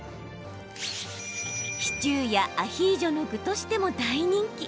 シチューやアヒージョの具としても大人気。